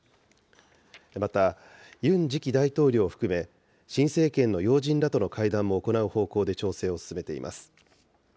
また、ユン次期大統領を含め、新政権の要人らとの会談も行う方向で調整を進めています。